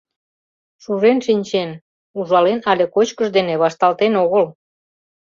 Шужен шинчен — ужален але кочкыш дене вашталтен огыл!